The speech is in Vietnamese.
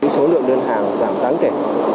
số lượng đơn hàng giảm tán kể